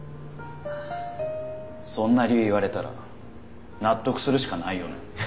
そんな理由言われたら納得するしかないよね。